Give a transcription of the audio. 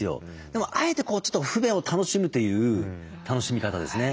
でもあえて不便を楽しむという楽しみ方ですね。